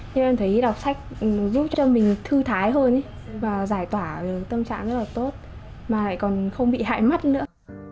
nhưng em thấy đọc sách giúp cho mình thư thái hơn và giải tỏa tâm trạng rất là tốt mà lại còn không bị hại mắt nữa